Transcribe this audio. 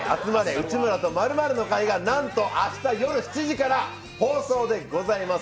内村と○○の会」がなんと、明日夜７時から放送でございます。